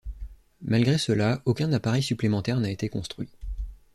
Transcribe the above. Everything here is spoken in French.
Malgré cela aucun appareil supplémentaire n'a été construit.